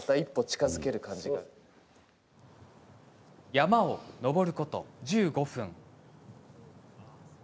山を登ること１５分。